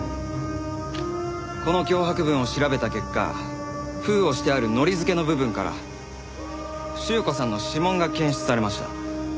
この脅迫文を調べた結果封をしてある糊付けの部分から朱子さんの指紋が検出されました。